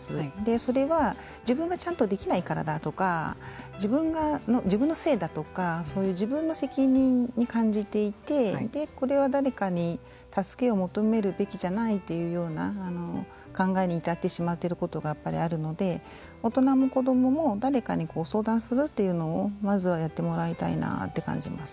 それは自分がちゃんとできないからだとか自分のせいだとかそういう自分の責任に感じていてこれは誰かに助けを求めるべきじゃないというような考えに至ってしまっていることがやっぱりあるので大人も子どもも誰かに相談するというのをまずはやってもらいたいなって感じます。